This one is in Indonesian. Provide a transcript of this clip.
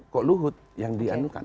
kok luhut yang dianukan